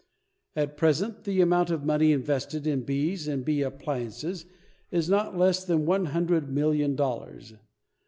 At present, the amount of money invested in bees and bee appliances is not less than one hundred million dollars.